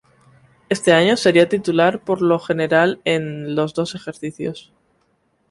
Este año sería titular por lo general en los dos ejercicios.